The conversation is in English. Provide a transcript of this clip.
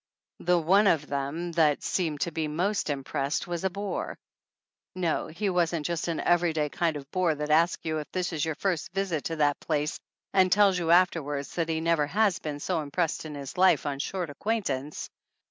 The one of them that seemed to be most im pressed was a bore no, he wasn't just an every day kind of bore that asks you if this is your first visit to that place and tells you afterward that he never has been so impressed in his life on short acquaintance.